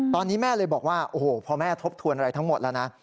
ตอนนี้แม่เลยบอกว่าโอ้โหพอแม่ทบทวนอะไรทั้งหมดแล้วนะ